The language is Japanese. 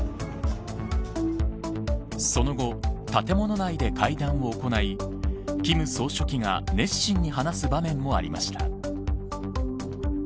その後、建物内で会談を行い金総書記が熱心に話す場面もありました。